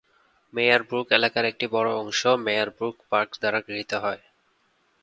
মেয়ারব্রুক এলাকার একটি বড় অংশ মেয়ারব্রুক পার্ক দ্বারা গৃহীত হয়।